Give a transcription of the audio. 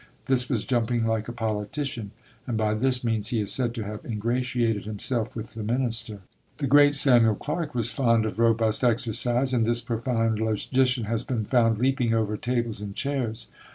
This was jumping like a politician; and by this means he is said to have ingratiated himself with the minister. The great Samuel Clarke was fond of robust exercise; and this profound logician has been found leaping over tables and chairs.